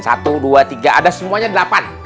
satu dua tiga ada semuanya delapan